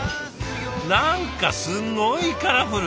何かすごいカラフル！